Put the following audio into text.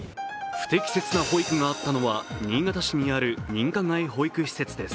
不適切な保育があったのは新潟市にある認可外保育施設です。